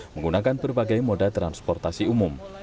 menggunakan berbagai moda transportasi umum